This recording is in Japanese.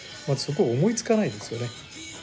まずそこ思いつかないですよね。